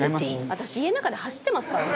「私家の中で走ってますからね